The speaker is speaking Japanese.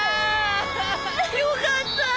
よかったぁ！